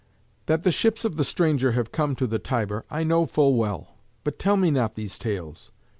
"That the ships of the stranger have come to the Tiber, I know full well. But tell me not these tales.